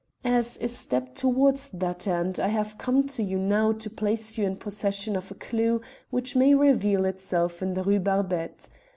As a step towards that end I have come to you now to place you in possession of a clue which may reveal itself in the Rue Barbette.